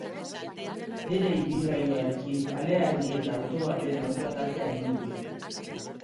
Bere ibilgailuarekin kale-argi eta auto baten aurka talka egin du.